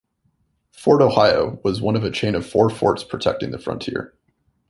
Fort Ohio was one of a chain of four forts protecting the frontier.